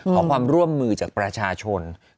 ขอความร่วมมือจากประชาชน